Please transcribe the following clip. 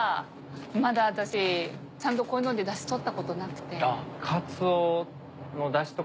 まだ私ちゃんとこういうので出汁取ったことなくて。